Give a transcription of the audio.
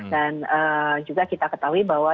dan juga kita ketahui bahwa